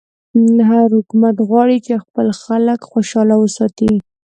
هر حکومت غواړي چې خپل خلک خوشحاله وساتي.